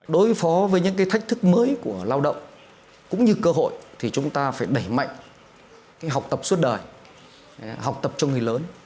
đối phó với những cái thách thức mới của lao động cũng như cơ hội thì chúng ta phải đẩy mạnh học tập suốt đời học tập cho người lớn